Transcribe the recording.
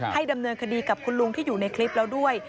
ดำเนินคดีกับคุณลุงที่อยู่ในคลิปแล้วด้วย